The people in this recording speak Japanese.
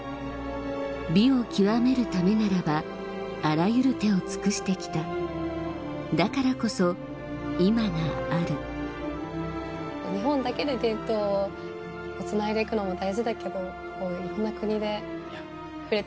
美を究めるためならばあらゆる手を尽くして来ただからこそ今がある日本だけで伝統をつないで行くのも大事だけど。